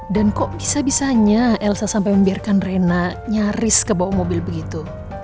dan kok bisa bisanya elsa sampai membiarkan rena nyaris kebawa mobil begitu